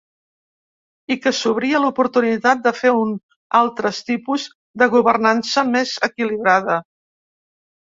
I que sobria l’oportunitat de fer un altres tipus de governança, més equilibrada.